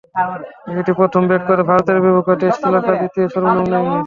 এটি প্রথমে ব্যাট করে ভারতের বিপক্ষে টেস্টে শ্রীলঙ্কার দ্বিতীয় সর্বনিম্ন সংগ্রহ।